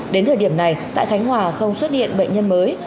đến thời điểm này tại khánh hòa không xuất hiện bệnh nhân mới